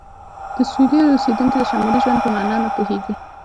د سویل اوسیدونکي د شمالي ژوند په معنی نه پوهیږي